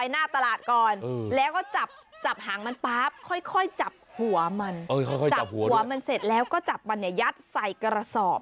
ง่ายเหรอ